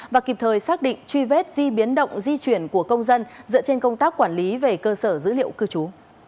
và kịp thời xác định truy vết di biến động di chuyển của công dân dựa trên công tác quản lý về cơ sở dữ liệu cư trú